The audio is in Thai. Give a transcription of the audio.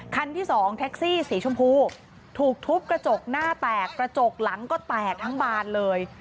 ที่สองแท็กซี่สีชมพูถูกทุบกระจกหน้าแตกกระจกหลังก็แตกทั้งบานเลย